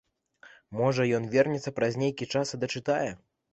Можа ён вернецца праз нейкі час і дачытае.